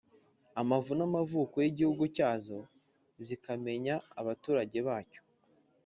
amavu n'amavuko y'igihugu cyazo, zikamenya abaturage bacyo